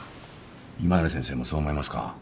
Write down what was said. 今成先生もそう思いますか？